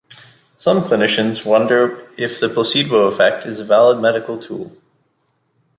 Some clinicians wonder if the placebo effect is a valid medical tool